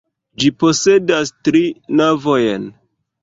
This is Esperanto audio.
Ĝi posedas tri navojn.